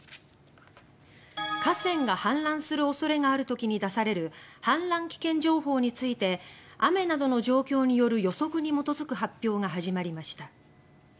河川が氾濫する恐れがある時に出される氾濫危険情報について雨などの状況による予測に基づく発表が始まりました。